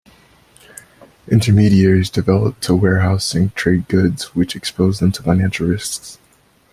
Intermediaries developed to warehouse and trade goods, which exposed them to financial risk.